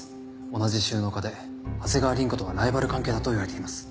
同じ収納家で長谷川凛子とはライバル関係だといわれています。